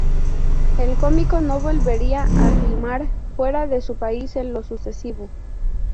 El cómico no volvería a filmar fuera de su país en lo sucesivo.